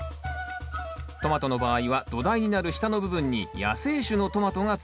トマトの場合は土台になる下の部分に野生種のトマトが使われます